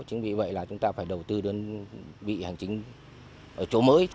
chính vì vậy là chúng ta phải đầu tư đơn vị hành chính ở chỗ mới